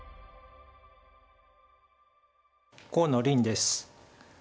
河野臨です。